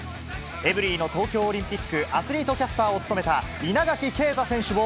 エブリィの東京オリンピックアスリートキャスターを務めた稲垣啓